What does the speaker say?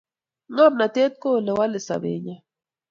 Ngomnotet ko ole walei sopenyo